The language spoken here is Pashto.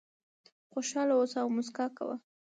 خوشاله اوسه او موسکا کوه .